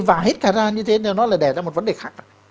và hết cả ra như thế thì nó là đẻ ra một vấn đề khác